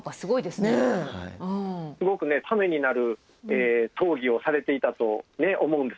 すごくためになる討議をされていたと思うんです。